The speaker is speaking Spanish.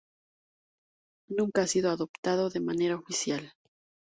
Nunca ha sido adoptado de manera oficial.